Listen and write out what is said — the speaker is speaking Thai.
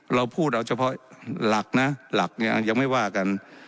เราพูดเอาเฉพาะหลักนะหลักเนี่ยยังไม่ว่ากัน